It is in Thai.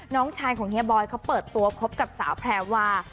น้องชายของเฮียบอยเขาเปิดตัวคบกับสาวแพรวา